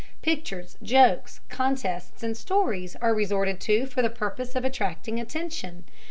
Pictures, jokes, contests, and stories are resorted to for the purpose of attracting attention.